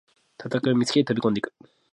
戦いを見つけて飛びこんでいく